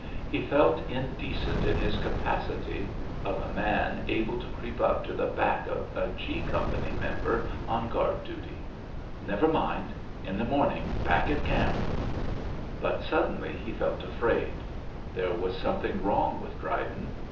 He felt indecent in his capacity of a man able to creep up to the back of a G Company member on guard duty. Never mind; in the morning back at camp But, suddenly, he felt afraid. There was something wrong with Dryden.